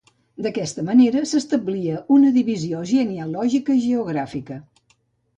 D'aquesta manera, s'establia una divisió genealògica i geogràfica.